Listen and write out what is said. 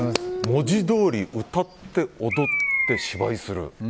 文字どおり歌って踊って芝居する。